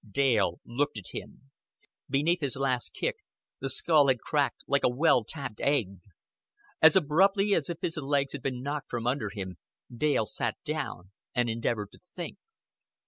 Dale looked at him. Beneath his last kick, the skull had cracked like a well tapped egg. As abruptly as if his legs had been knocked from under him Dale sat down, and endeavored to think.